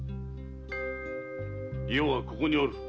余はここにおる。